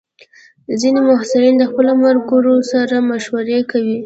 ځینې محصلین د خپلو ملګرو سره مشوره کوي.